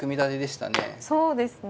そうですね